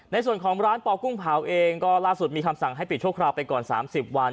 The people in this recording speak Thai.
ในส่วนของร้านปอกุ้งเผาเองก็ล่าสุดมีคำสั่งให้ปิดชั่วคราวไปก่อน๓๐วัน